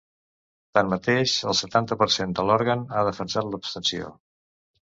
Tanmateix, el setanta per cent de l’òrgan ha defensat l’abstenció.